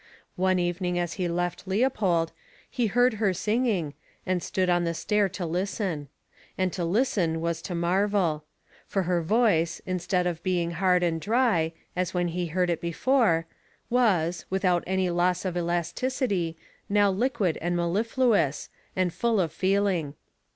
One evening as he left Leopold, he heard her singing, and stood on the stair to listen. And to listen was to marvel. For her voice, instead of being hard and dry, as when he heard it before, was, without any loss of elasticity, now liquid and mellifluous, and full of feeling.